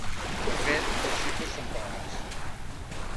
De fet, les xifres són clares.